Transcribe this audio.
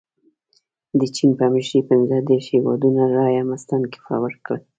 د چین په مشرۍ پنځه دېرش هیوادونو رایه مستنکفه ورکړه.